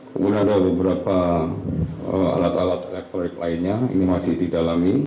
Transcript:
kemudian ada beberapa alat alat elektronik lainnya ini masih didalami